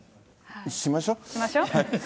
しましょう。